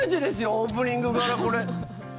オープニングから、これ。